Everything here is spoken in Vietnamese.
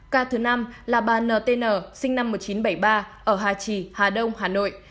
ca thứ năm là bà n t n sinh năm một nghìn chín trăm bảy mươi ba ở hà trì hà đông hà nội